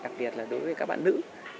đặc biệt là đối với các bạn nữ